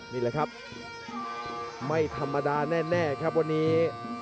นี่แหละครับไม่ธรรมดาแน่ครับวันนี้